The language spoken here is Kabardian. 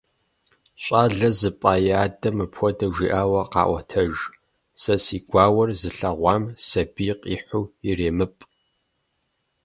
ЩӀалэр зыпӀа и адэм мыпхуэдэу жиӀауэ къаӀуэтэж: «Сэ си гуауэр зылъэгъуам сабий къихьу иремыпӀ».